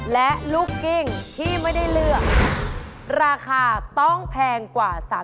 และลูกกิ้งที่ไม่ได้เลือกราคาต้องแพงกว่า๓๐๐